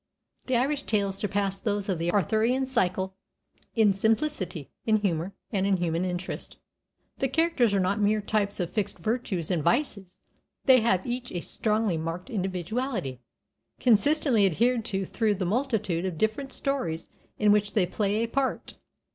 '" The Irish tales surpass those of the Arthurian cycle in simplicity, in humor, and in human interest; the characters are not mere types of fixed virtues and vices, they have each a strongly marked individuality, consistently adhered to through the multitude of different stories in which they play a part.